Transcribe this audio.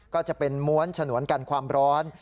ก็จะเป็นม้วนฉนวนกันความร้อน